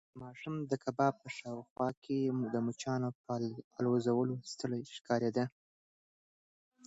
ماشوم د کباب په شاوخوا کې د مچانو په الوزولو ستړی ښکارېده.